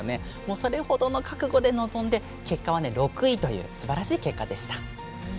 それほどの覚悟で臨んで結果は６位というすばらしい結果でした。